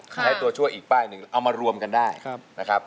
ใช้ตัวช่วยอีกป้ายหนึ่งเอามารวมกันได้นะครับ